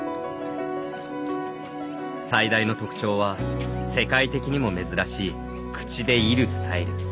最大の特徴は世界的にも珍しい口で射るスタイル。